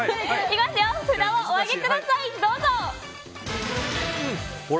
札をお上げください。